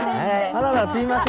あららすいません。